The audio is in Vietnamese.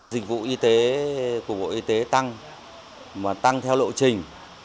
dịch vụ y tế của bộ y tế tăng mà tăng theo lộ trình